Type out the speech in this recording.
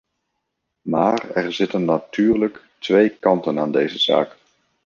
Maar er zitten natuurlijk twee kanten aan deze zaak.